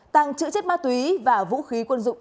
tăng chữ chất ma túy và vũ khí quân dụng